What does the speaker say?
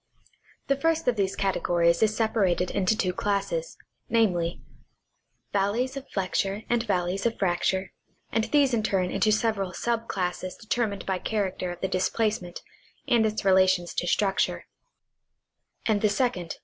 The first of these categories is separated into two classes, viz : valleys of flexure and valleys of fracture, and these in turn into several sub classes determined by character of the displacement and its relations to structure ; and the second, 3 34 NaUonal Oeograjphic Magazine.